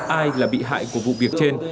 ai là bị hại của vụ việc trên